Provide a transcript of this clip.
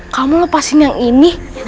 kamu lepasin yang ini